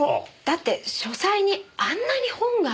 だって書斎にあんなに本が。